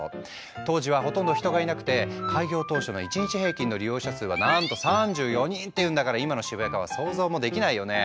当時はほとんど人がいなくて開業当初の１日平均の利用者数はなんと３４人っていうんだから今の渋谷からは想像もできないよねえ。